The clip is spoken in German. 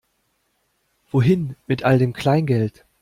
Wohin mit all dem Kleingeld?